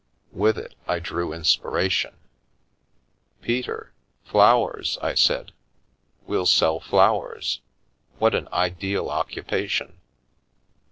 With it I drew inspiration. " Peter ! Flowers !" I said, " we'll sell flowers. What an ideal occupation